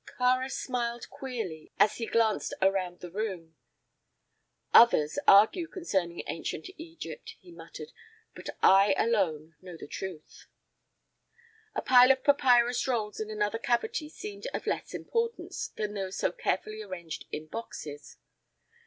Kāra smiled queerly as he glanced around the room. "Others argue concerning ancient Egypt," he muttered; "but I alone know the truth." A pile of papyrus rolls in another cavity seemed of less importance than those so carefully arranged in boxes.